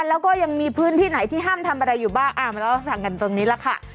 แล้วก็ยังมีพื้นที่ไหนที่ห้ามทำอะไรอยู่บ้างมาเล่าให้ฟังกันตรงนี้แหละค่ะ